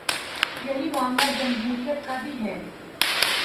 یہی معاملہ جمہوریت کا بھی ہے۔